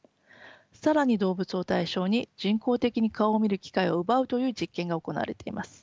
更に動物を対象に人工的に顔を見る機会を奪うという実験が行われています。